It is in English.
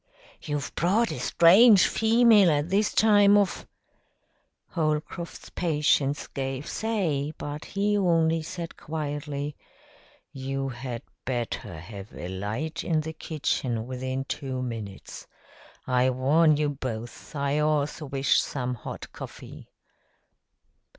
"You've brought a strange female at this time of " Holcroft's patience gave say, but he only said quietly, "You had better have a light in the kitchen within two minutes. I warn you both. I also wish some hot coffee."